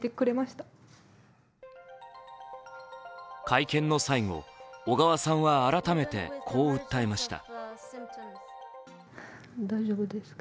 会見の最後、小川さんは改めてこう訴えました。